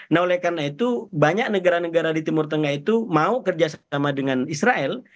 nah oleh karena itu banyak negara negara di timur tengah itu mau kerjasama dengan israel